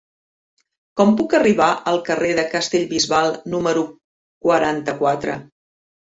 Com puc arribar al carrer de Castellbisbal número quaranta-quatre?